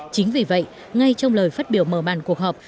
chính vì vậy ngay trong lời phát biểu mở màn cuộc họp